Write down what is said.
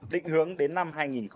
tịnh hướng đến năm hai nghìn ba mươi